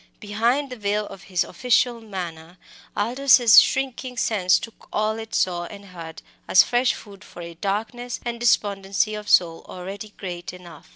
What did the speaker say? Behind the veil of his official manner Aldous's shrinking sense took all it saw and heard as fresh food for a darkness and despondency of soul already great enough.